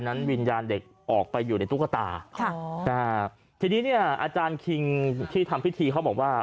วิญญาณเด็กออกไปอยู่ในตุ๊กตาค่ะนะฮะทีนี้เนี่ยอาจารย์คิงที่ทำพิธีเขาบอกว่า